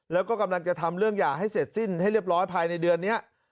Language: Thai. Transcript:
แล้วก็กำลังจะทำเรื่องหย่าให้เสร็จสิ้นให้เรียบร้อยภายในเดือนนี้